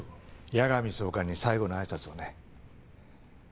矢上総監に最後のあいさつをね。